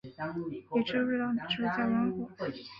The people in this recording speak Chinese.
你知不知道你这是在玩火